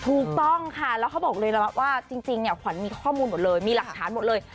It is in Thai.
ถูกต้องค่ะแล้วเขาบอกเลยละว่าจริงเนี่ยขวัญมีข้อมูลหมดเลยมีหลักฐานหมดเลย